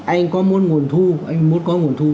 anh có muốn nguồn thu anh muốn có nguồn thu